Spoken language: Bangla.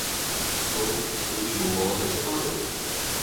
তো তুমি বোমা বানাতে পারো?